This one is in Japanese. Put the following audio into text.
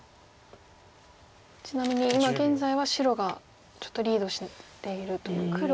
ちなみに今現在は白がちょっとリードしていると。